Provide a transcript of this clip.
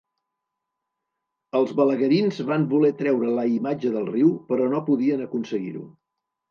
Els balaguerins van voler treure la imatge del riu però no podien aconseguir-ho.